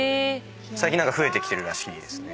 最近増えてきてるらしいですね。